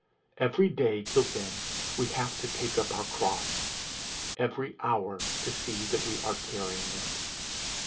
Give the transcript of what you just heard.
Every day till then we have to take up our cross; every hour to see that we are carrying it.